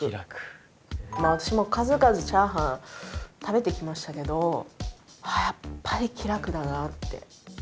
私も数々チャーハン食べてきましたけどああやっぱり喜楽だなって。